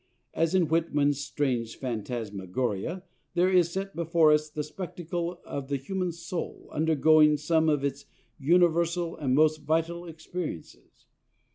As in Whitman's strange phantasmagoria, there is set before us the spectacle of the human soul undergoing some of its universal and most vital experiences.